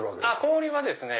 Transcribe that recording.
氷はですね